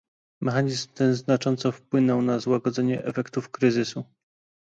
Mechanizm ten znacząco wpłynął na złagodzenie efektów kryzysu